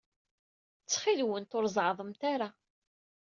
Ttxil-went, ur zeɛɛḍemt ara.